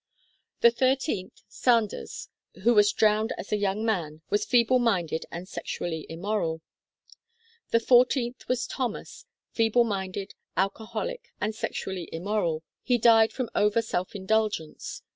The thirteenth, Sanders, who was drowned as a young man, was feeble minded and sexually immoral. The fourteenth was Thomas, feeble minded, alcoholic, and sexually immoral. He died from over self indul gence.